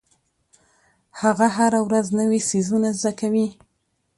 هغه هره ورځ نوې څیزونه زده کوي.